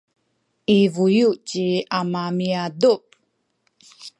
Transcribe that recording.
i buyu’ ci ama miadup